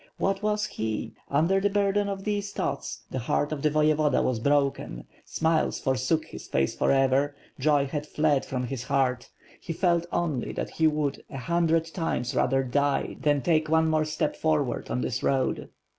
What was he? Under the burden of these thoughts, the heart of the Voyevoda was broken; smiles forsook his face forever; joy had fled from his heart; he felt only that he would a hundred times rather die than take one more step forward WITH FIRE AND SWORD, 603 on this road.